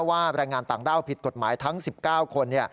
แรงงานต่างด้าวผิดกฎหมายทั้ง๑๙คน